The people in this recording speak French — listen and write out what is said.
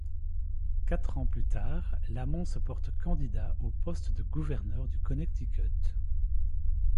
Quatre ans plus tard, Lamont se porte candidat au poste de gouverneur du Connecticut.